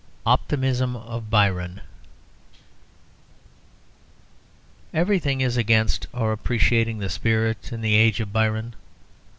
OPTIMISM OF BYRON Everything is against our appreciating the spirit and the age of Byron.